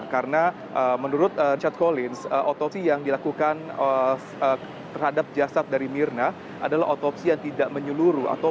karena menurut richard collins otopsi yang dilakukan terhadap jasad dari mirna adalah otopsi yang tidak menyeluruh atau partial otopsi